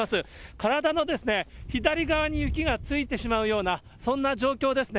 体の左側に雪がついてしまうような、そんな状況ですね。